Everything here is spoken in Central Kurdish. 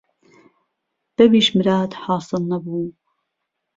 به ویش مراد حاسڵ نهبوو